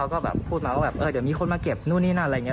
จะแบบพูดมาว่าแบบเดี่ยวมีคนมาเก็บโดนนี้หนังไรเงี้ย